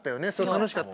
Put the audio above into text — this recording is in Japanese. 楽しかった。